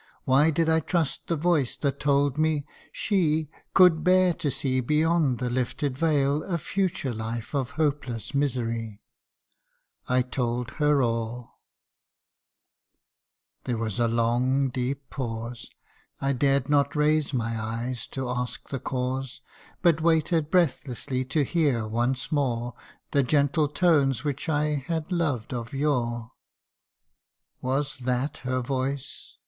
Why did I trust the voice that told me she Could bear to see beyond the lifted veil A future life of hopeless misery ? I told her all There was a long deep pause. I dared not raise my eyes to ask the cause, But waited breathlessly to hear once more The gentle tones which I had loved of yore. Was that her voice